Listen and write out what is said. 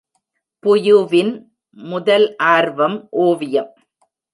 புயுவின் முதல் ஆர்வம் ஓவியம்.